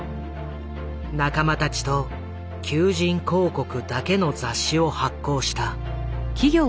仲間たちと求人広告だけの雑誌を発行した。